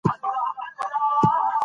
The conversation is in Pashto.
جلګه د افغانستان د جغرافیوي تنوع مثال دی.